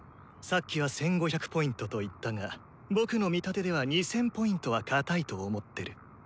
さっきは１５００Ｐと言ったが僕の見立てでは２０００Ｐはかたいと思ってる。